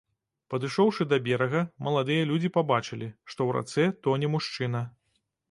Падышоўшы да берага, маладыя людзі пабачылі, што ў рацэ тоне мужчына.